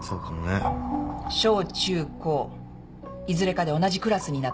「小中高いずれかで同じクラスになった？」